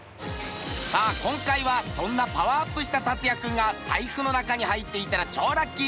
さあ今回はそんなパワーアップした達哉君が財布の中に入っていたら超ラッキー！